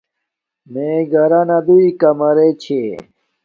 میے گھرانا دوݵ کمرے چھے